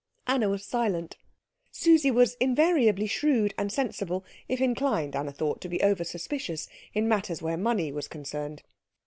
Anna was silent. Susie was invariably shrewd and sensible, if inclined, Anna thought, to be over suspicious, in matters where money was concerned.